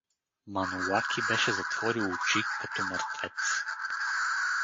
Манолаки беше затворил очи, като мъртвец.